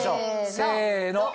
せの！